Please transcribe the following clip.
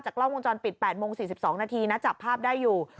กล้องวงจรปิด๘โมง๔๒นาทีนะจับภาพได้อยู่